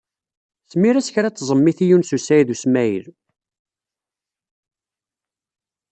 Smir-as kra n tẓemmit i Yunes u Saɛid u Smaɛil.